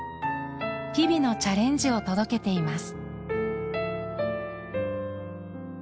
日々のチャレンジを届けています。